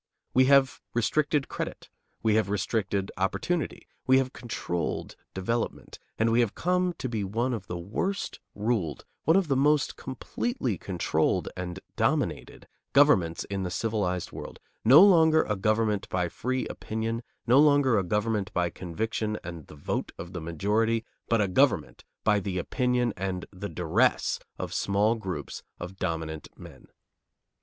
We have restricted credit, we have restricted opportunity, we have controlled development, and we have come to be one of the worst ruled, one of the most completely controlled and dominated, governments in the civilized world no longer a government by free opinion, no longer a government by conviction and the vote of the majority, but a government by the opinion and the duress of small groups of dominant men.